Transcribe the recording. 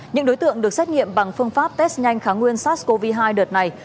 những đối tượng được xét nghiệm bằng phương pháp test nhanh kháng nguyên sars cov hai đợt này